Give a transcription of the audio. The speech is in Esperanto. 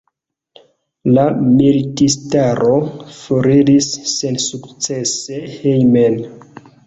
La militistaro foriris sensukcese hejmen.